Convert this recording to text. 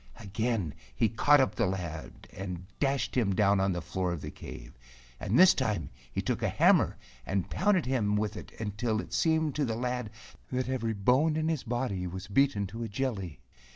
Again he caught up the lad and dashed him down on the floor of the cave, and this time he took a hammer and pounded him with it until it seemed to the lad that every bone in his body was beaten to a jelly.